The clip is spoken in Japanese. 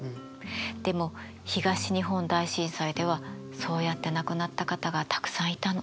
でも東日本大震災ではそうやって亡くなった方がたくさんいたの。